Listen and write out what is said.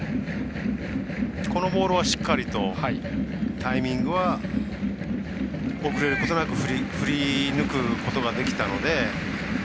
このボールはしっかりとタイミングは遅れることなく振り抜くことができたので。